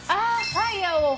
ファイアを。